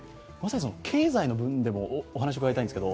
経済の部分でもお話を伺いたいんですけど